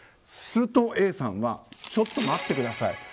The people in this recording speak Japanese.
するとＡさんはちょっと待ってください。